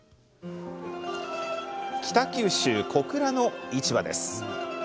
北九州・小倉の市場です。